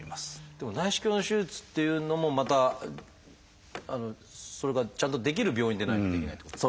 でも内視鏡の手術っていうのもまたそれがちゃんとできる病院でないとできないってことですよね。